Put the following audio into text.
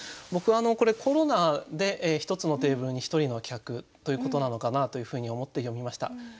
僕はこれコロナで一つのテーブルに一人の客ということなのかなというふうに思って読みました。